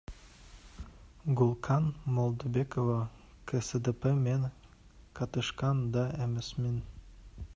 Гүлкан Молдобекова, КСДП Мен катышкан да эмесмин.